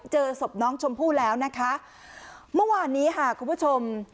เจอศพน้องชมพู่แล้วนะคะเมื่อวานนี้ค่ะคุณผู้ชม